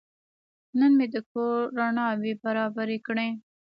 نن مې د کور رڼاوې برابرې کړې.